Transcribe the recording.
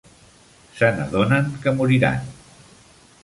Se n'adonen que moriran.